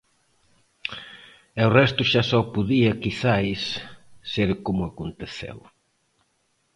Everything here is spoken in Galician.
E o resto xa só podía, quizais, ser como aconteceu.